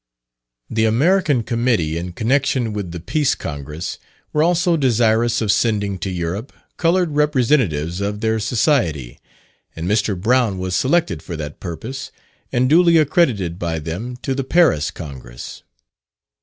The American Committee in connection with the Peace Congress were also desirous of sending to Europe coloured representatives of their Society, and Mr. Brown was selected for that purpose, and duly accredited by them to the Paris Congress.